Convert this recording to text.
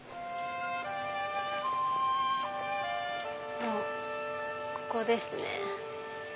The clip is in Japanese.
あっここですね。